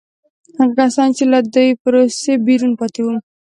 هغه کسان چې له دې پروسې بیرون پاتې وو.